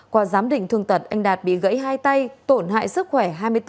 qua giám định thường tật anh đạt bị gãy hai tay tổn hại sức khỏe hai mươi bốn